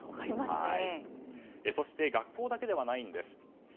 そして、学校だけではないんです。